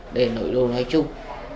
để nội đô nói chung